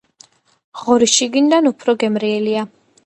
ღორი შიგნიდან უფრო გემრიელია